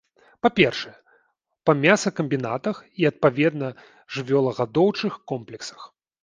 Па-першае, па мясакамбінатах і, адпаведна, жывёлагадоўчых комплексах.